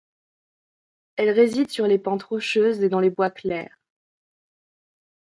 Elle réside sur les pentes rocheuses et dans les bois clairs.